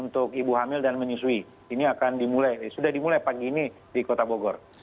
ini sudah dimulai pagi ini di kota bogor